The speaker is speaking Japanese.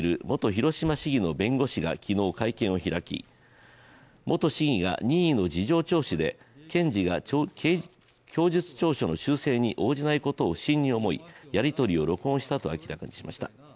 広島市議の弁護士が昨日会見を開き元市議が、任意の事情聴取で検事が供述調書の修正に応じないことを不審に思いやりとりを録音したと明らかにしました。